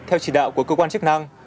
theo chỉ đạo của cơ quan chức năng